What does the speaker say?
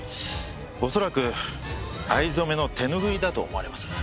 恐らく藍染めの手拭いだと思われます。